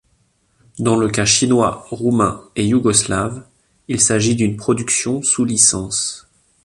Dans le cas chinois, roumains et yougoslaves, il s'agit d'une production sous licence.